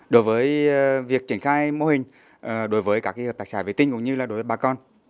đối với việc triển khai mô hình đối với các hợp tác xã vệ tinh cũng như là đối với bà con